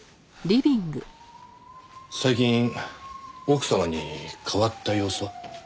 最近奥様に変わった様子は？